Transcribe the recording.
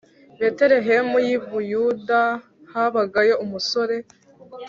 Betelehemu y i Buyuda habagayo umusore